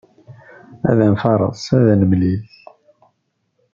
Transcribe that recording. Ad nfaṛes ad nemlil.